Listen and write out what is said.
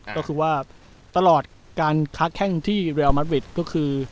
ก็คือว่าตลอดการคลักแห้งที่เรียลมัตต์วิทย์ก็คือ